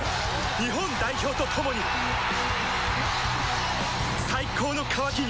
日本代表と共に最高の渇きにＤＲＹ